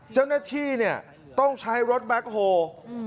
เจ้าหน้าที่เนี่ยต้องใช้รถแบ็คโฮล์